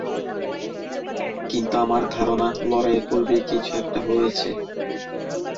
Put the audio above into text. কিন্তু আমার ধারণা লড়াইয়ের পূর্বে কিছু একটা হয়েছে।